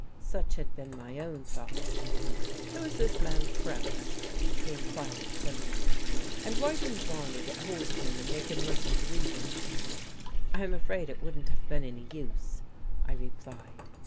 Such had been my own thought. "Who is this man Krebs?" he inquired suddenly. "And why didn't Varney get hold of him and make him listen to reason?" "I'm afraid it wouldn't have been any use," I replied.